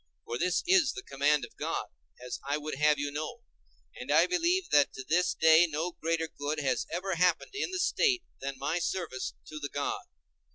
For this is the command of God, as I would have you know; and I believe that to this day no greater good has ever happened in the State than my service to the God.